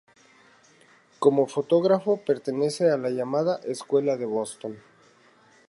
Como fotógrafo, pertenece a la llamada Escuela de Boston.